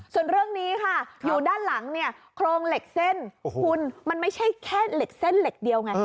ส่วนเรื่องนี้ค่ะอยู่ด้านหลังเนี่ยโครงเหล็กเส้นคุณมันไม่ใช่แค่เหล็กเส้นเหล็กเดียวไง